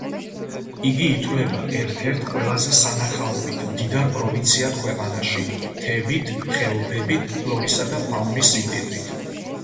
იგი ითვლება ერთ-ერთ ყველაზე სანახაობით მდიდარ პროვინციად ქვეყანაში: მთებით, ხეობებით, ფლორისა და ფაუნის სიმდიდრით.